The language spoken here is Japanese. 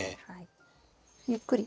ゆっくり。